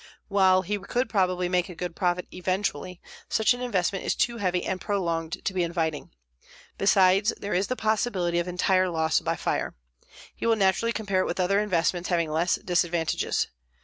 While he could probably make a good profit eventually, such an investment is too heavy and prolonged to be inviting; besides there is the possibility of entire loss by fire. He will naturally compare it with other investments having less disadvantages.